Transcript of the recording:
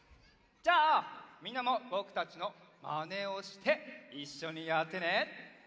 じゃあみんなもぼくたちのまねをしていっしょにやってね！